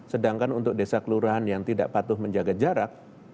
sedangkan untuk desa kelurahan yang tidak patuh menjaga jarak